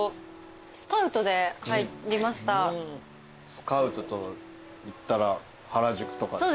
スカウトといったら原宿とかですか？